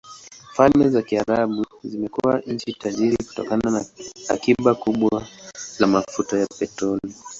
Falme za Kiarabu zimekuwa nchi tajiri kutokana na akiba kubwa za mafuta ya petroli.